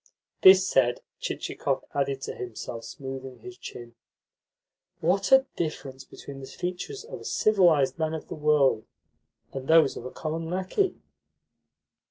This said, Chichikov added to himself, smoothing his chin: "What a difference between the features of a civilised man of the world and those of a common lacquey!"